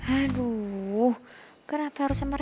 aduh kenapa harus sama reva sih